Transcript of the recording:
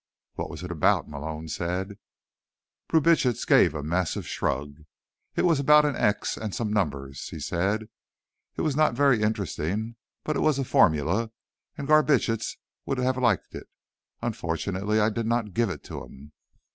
"What was it about?" Malone said. Brubitsch gave a massive shrug. "It was about an X and some numbers," he said. "It was not very interesting, but it was a formula, and Garbitsch would have liked it. Unfortunately, I did not give it to him."